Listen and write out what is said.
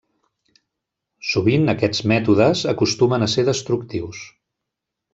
Sovint aquests mètodes acostumen a ser destructius.